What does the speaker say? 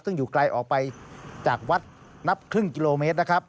ซึ่งอยู่ไกลออกไปจากวัดนับครึ่งกิโลเมตรนะครับ